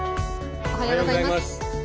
おはようございます。